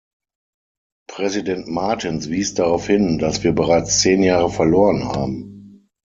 Präsident Martens wies darauf hin, dass wir bereits zehn Jahre verloren haben.